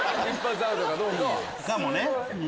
かもね。